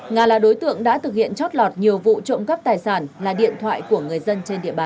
nga là đối tượng đã thực hiện chót lọt nhiều vụ trộm cắp tài sản là điện thoại của người dân trên địa bàn